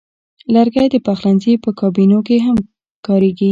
لرګی د پخلنځي په کابینو کې کاریږي.